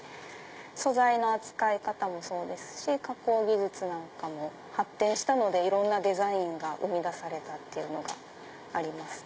素材の扱い方もそうですし加工技術なんかも発展したのでいろんなデザインが生み出されたっていうのがありますね。